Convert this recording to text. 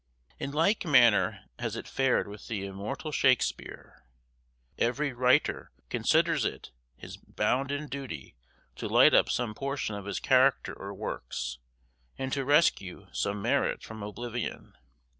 In like manner has it fared with the immortal Shakespeare. Every writer considers it his bounden duty to light up some portion of his character or works, and to rescue some merit from oblivion.